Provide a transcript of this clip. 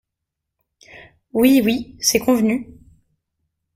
Oui, oui, c'est convenu …